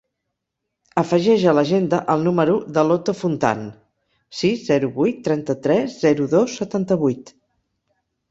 Afegeix a l'agenda el número de l'Oto Fontan: sis, zero, vuit, trenta-tres, zero, dos, setanta-vuit.